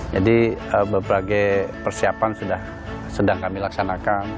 jadi beberapa persiapan sudah sedang kami laksanakan